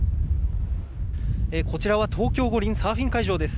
こちらは東京五輪サーフィン会場です。